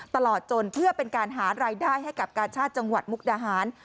ตลอดจนเพื่อเป็นการหารายได้ให้กับกาชาติจังหวัดมุกดาหาร